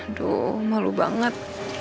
aduh malu banget